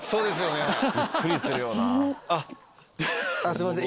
すいません